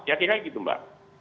yakin kan gitu mbak